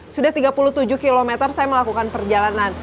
sudah tiga puluh tujuh km saya melakukan perjalanan